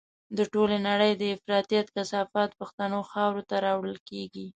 د ټولې نړۍ د افراطيت کثافات پښتنو خاورو ته راوړل کېږي.